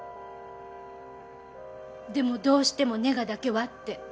でもどうしてもネガだけはって。